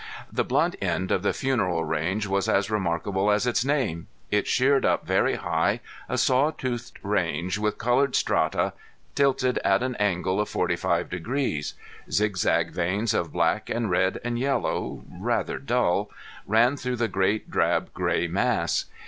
The blunt end of the Funeral Range was as remarkable as its name. It sheered up very high, a saw toothed range with colored strata tilted at an angle of forty five degrees. Zigzag veins of black and red and yellow, rather dull, ran through the great drab gray mass.